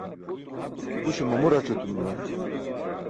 Buśe mamu rac̣ etum juwan.